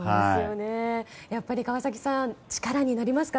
やっぱり川崎さん力になりますか？